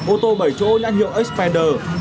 ô tô bảy chỗ nhắn hiệu xpander